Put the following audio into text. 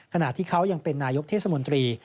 ขณะที่เขายังเป็นนายกเทศมนตรี